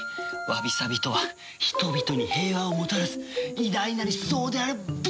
わびさびとは人々に平和をもたらす偉大なる思想であり美学！